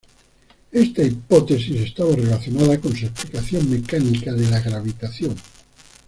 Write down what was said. Esta hipótesis estaba relacionada con su explicación mecánica de la gravitación.